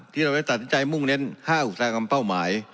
ที่เราได้ตัดสินใจมุ่งเน้น๕อุตสาหกรรมเป้าหมาย